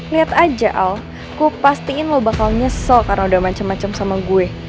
lihat aja al ku pastiin lo bakal nyesel karena udah macem macem sama gue